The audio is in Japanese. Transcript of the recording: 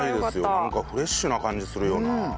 なんかフレッシュな感じするよな。